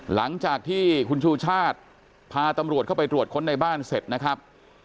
หลังจากที่คุณชูชาติพาตำรวจเข้าไปตรวจค้นในบ้านเสร็จนะครับ